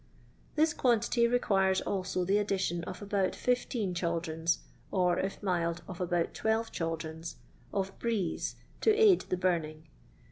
This quantity requires also the addition of about 16 chaldrons, or, if mild, of about 12 chaldrons of " brieae," to aid the burning.